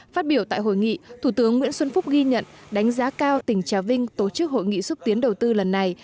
phát biểu tại hội nghị thủ tướng nguyễn xuân phúc ghi nhận đánh giá cao tỉnh trà vinh tổ chức hội nghị xúc tiến đầu tư lần này